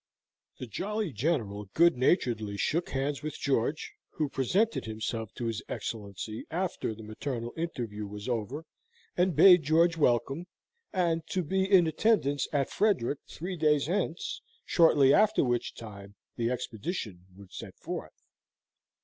The jolly General good naturedly shook hands with George, who presented himself to his Excellency after the maternal interview was over, and bade George welcome, and to be in attendance at Frederick three days hence; shortly after which time the expedition would set forth.